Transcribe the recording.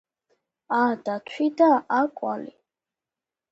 ა დათვი და ა კვალი